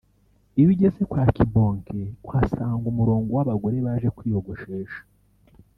Iyo ugeze kwa Kibonke uhasanga umurongo w’abagore baje kwiyogoshesha